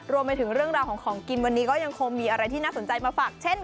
รวมไปถึงเรื่องราวของของกินวันนี้ก็ยังคงมีอะไรที่น่าสนใจมาฝากเช่นกัน